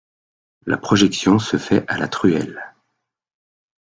La projection se fait à la truelle.